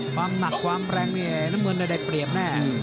ความหนักความแรงนี่น้ำเงินได้เปรียบแน่